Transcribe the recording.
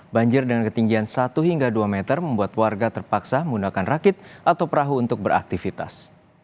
banjir dengan ketinggian satu hingga dua meter membuat warga terpaksa menggunakan rakit atau perahu untuk beraktivitas